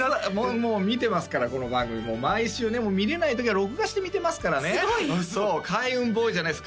もう見てますからこの番組毎週ね見れない時は録画して見てますからねそう「ＫａｉｕｎＢｏｙ」じゃないです